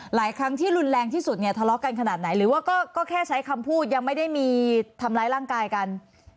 หลายครั้งที่รุนแรงที่สุดเนี่ยทะเลาะกันขนาดไหนหรือว่าก็แค่ใช้คำพูดยังไม่ได้มีทำร้ายร่างกายกัน